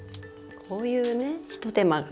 こういうねひと手間が。